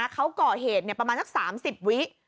เขาก่อเหตุประมาณสัก๓๐วิ